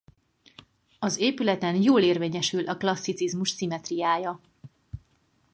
Az épületen jól érvényesül a klasszicizmus szimmetriája.